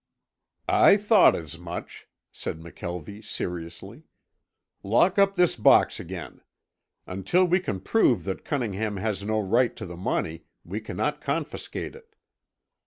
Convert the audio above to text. "I thought as much," said McKelvie seriously. "Lock up this box again. Until we can prove that Cunningham has no right to the money, we cannot confiscate it.